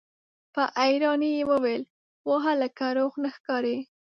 په حيرانۍ يې وويل: وه هلکه! روغ نه ښکارې!